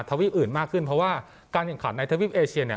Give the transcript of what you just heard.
ทวีปอื่นมากขึ้นเพราะว่าการแข่งขันในทวีปเอเชียเนี่ย